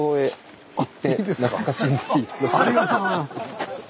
ありがとうございます。